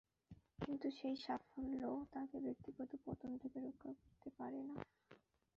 কিন্তু সেই সাফল্য তাঁকে ব্যক্তিগত পতন থেকে রক্ষা করতে পারে না।